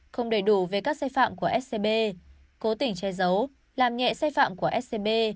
không đầy đủ về các sai phạm của scb cố tình che giấu làm nhẹ sai phạm của scb